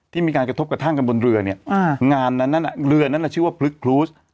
ที่มีการกระทบกับท่างกันบนเรือเนี้ยอ่างานนั้นน่ะเรือนั้นน่ะชื่อว่าค่ะ